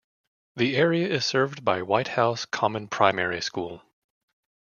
The area is served by Whitehouse Common Primary School.